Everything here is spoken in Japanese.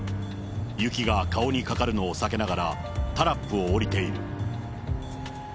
雪が顔にかかるのを避けながら、タラップを降りている。